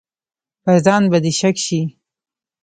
پر ځان به دې شک شي.